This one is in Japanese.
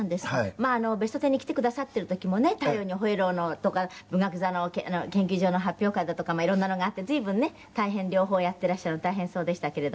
まあ『ベストテン』に来てくださってる時もね『太陽にほえろ！』のとか文学座の研究所の発表会だとかもいろんなのがあって随分ね両方やってらっしゃる大変そうでしたけれども。